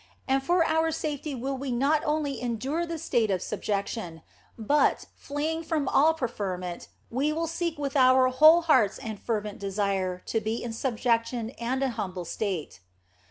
And for our safety will we not only endure the state of subjection, but, fleeing from all preferment, we will seek with whole hearts and fervent desire to be in subjection and an humble state.